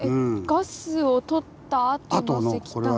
ガスをとったあとの石炭。